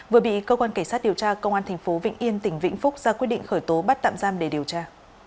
vừa bị cơ quan kẻ sát điều tra công an thành phố vịnh yên tỉnh vĩnh phúc ra quyết định khởi tố bắt tạm giam để điều tra